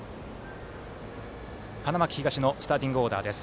花巻東のスターティングオーダーです。